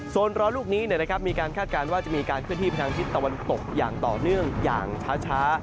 ร้อนลูกนี้มีการคาดการณ์ว่าจะมีการเคลื่อนที่ไปทางทิศตะวันตกอย่างต่อเนื่องอย่างช้า